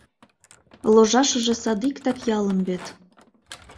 Ложашыже садиктак ялын вет...